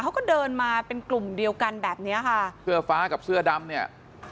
เขาก็เดินมาเป็นกลุ่มเดียวกันแบบเนี้ยค่ะเสื้อฟ้ากับเสื้อดำเนี่ย